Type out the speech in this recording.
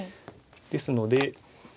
ですので。